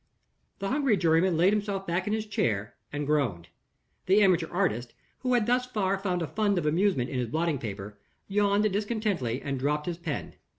The hungry juryman laid himself back in his chair, and groaned. The amateur artist, who had thus far found a fund of amusement in his blotting paper, yawned discontentedly and dropped his pen.